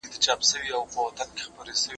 ځانته یې کړي درې څلور حوري